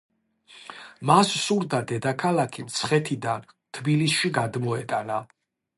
მას სურდა დედაქალაქი მცხეთიდან თბილისში გადმოეტანა.